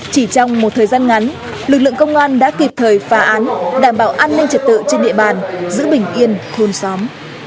chỉ trong một thời gian ngắn lực lượng công an đã kịp thời phá án đảm bảo an ninh trật tự trên địa bàn giữ bình yên thôn xóm